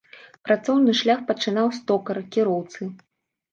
Працоўны шлях пачынаў з токара, кіроўцы.